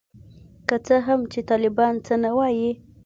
که څه هم چي طالبان څه نه وايي.